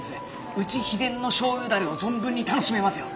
うち秘伝の醤油ダレを存分に楽しめますよ。